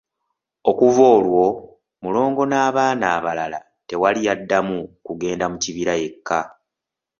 Okuva olwo Mulongo n'abaana abalala tewali yaddamu kugenda mu kibira yekka.